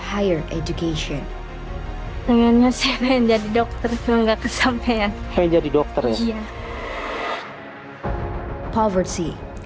pengen jadi dokter ya